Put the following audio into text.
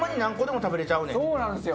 ・そうなんすよ